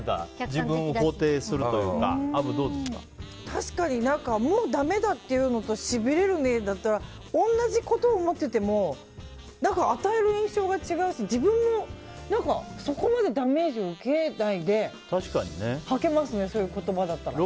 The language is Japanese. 確かに、もうだめだというのとしびれるねぇだったら同じことを思ってても与える印象が違うし自分も何かそこまでダメージを受けないで吐けますねそういう言葉だったら。